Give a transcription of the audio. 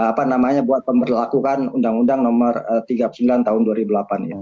apa namanya buat pemberlakuan undang undang nomor tiga puluh sembilan tahun dua ribu delapan ya